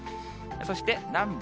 そして南部。